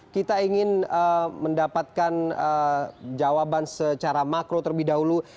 kita ingin mendapatkan jawaban secara makro terlebih dahulu